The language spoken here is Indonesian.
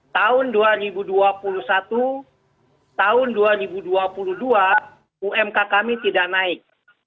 tahun dua ribu dua puluh satu tahun dua ribu dua puluh dua umk kami tidak naik